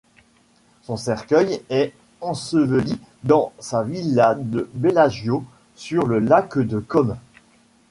Son cercueil est enseveli dans sa villa de Bellagio, sur le lac de Côme.